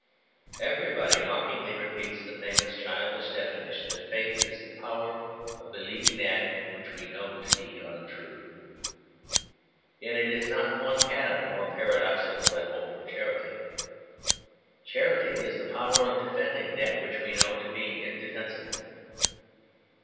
Everybody mockingly repeats the famous childish definition that faith is "the power of believing that which we know to be untrue." Yet it is not one atom more paradoxical than hope or charity. Charity is the power of defending that which we know to be indefensible.